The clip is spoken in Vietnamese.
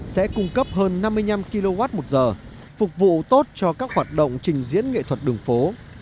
sẽ cung cấp hơn năm mươi năm kwh phục vụ tốt cho các hoạt động trình diễn nghệ thuật đường phố